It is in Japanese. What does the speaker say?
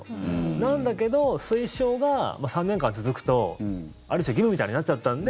なんだけど推奨が３年間続くとある種義務みたいになっちゃったんで。